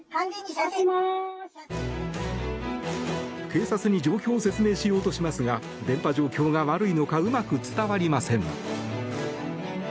警察に状況を説明しようとしますが電波状況が悪いのかうまく伝わりません。